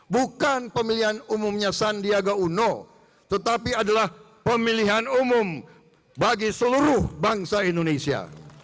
bukan pemilihan umumnya sandiaga uno tetapi adalah pemilihan umum bagi seluruh bangsa indonesia